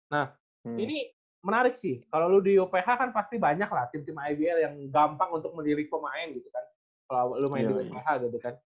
nah ini menarik sih kalau lu di uph kan pasti banyak lah tim tim ibl yang gampang untuk melirik pemain gitu kan kalau lu main di uph gitu kan